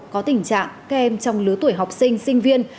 có tình trạng kèm trong lứa tuổi học sinh sinh viên